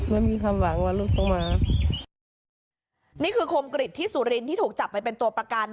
ไม่มีความหวังว่าลูกต้องมานี่คือคมกริจที่สุรินที่ถูกจับไปเป็นตัวประกัน